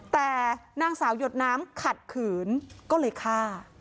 แต่นางสาวหยดน้ำขัดขืนก็เลยฆ่า